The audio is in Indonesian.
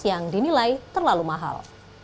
yang dinilai terlalu mahal